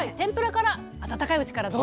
温かいうちからどうぞ。